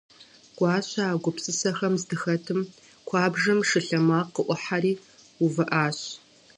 Гуащэ а гупсысэхэм здыхэтым куэбжэм шы лъэмакъ къыӏухьэри увыӏащ.